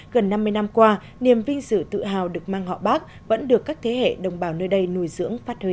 gần năm mươi năm qua niềm vinh sự tự hào được mang họ bác vẫn được các thế hệ đồng bào nơi đây nuôi dưỡng phát huy